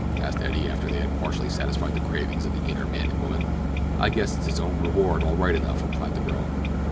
asked Eddie after they had partially satisfied the cravings of the inner man and woman. "I guess it's its own reward all right enough," replied the girl.